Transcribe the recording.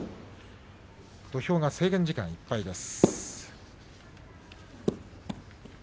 土俵が制限時間いっぱいです。